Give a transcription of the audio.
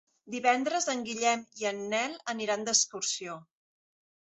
Divendres en Guillem i en Nel aniran d'excursió.